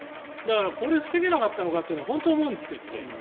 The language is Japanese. これを防げなかったのかと本当に思うんですけどね。